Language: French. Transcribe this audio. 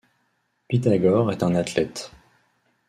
Pythagore est un athlète.